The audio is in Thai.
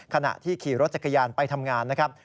ขณะที่ขี่รถจักรยานไปทำงานนะครับ